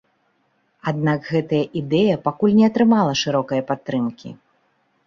Аднак гэтая ідэя пакуль не атрымала шырокае падтрымкі.